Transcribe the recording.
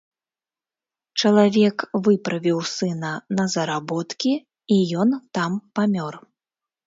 Чалавек выправіў сына на заработкі, і ён там памёр.